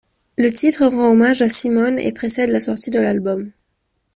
Le titre rend hommage à Simone et précède la sortie de l'album.